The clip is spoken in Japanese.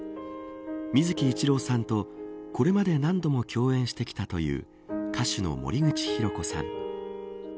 水木一郎さんとこれまで何度も共演してきたという歌手の森口博子さん。